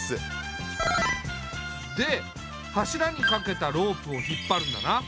で柱にかけたロープを引っ張るんだな。